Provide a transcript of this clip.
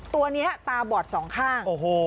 ตัวเนี้ยตาบอดสองข้างโอ้โห